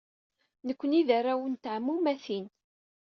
Nekkni d arraw n teɛmumatin.